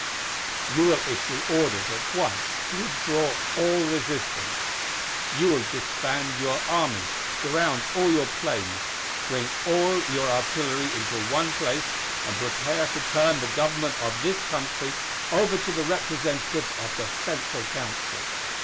"You will issue orders at once to withdraw all resistance. You will disband your army, ground all your planes; bring all your artillery into one place and prepare to turn the government of this country over to the representatives of the Central Council.